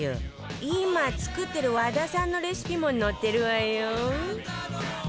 今作ってる和田さんのレシピも載ってるわよ